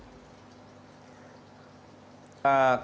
kalau jody saya tidak mengerti